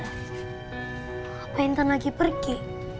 apa intan lagi pergi